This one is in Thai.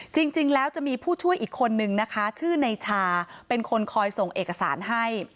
จริงแล้วจะมีผู้ช่วยอีกคนนึงนะคะชื่อในชาเป็นคนคอยส่งเอกสารให้